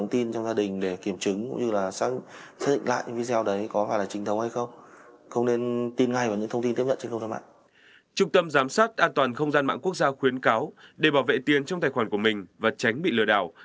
trung tâm giám sát an toàn không gian mạng quốc gia khuyến cáo để bảo vệ tiền trong tài khoản của mình và tránh bị lừa đảo